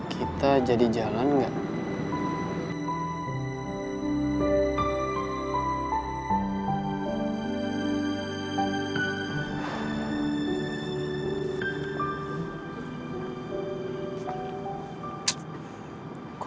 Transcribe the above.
kita jadi jalan gak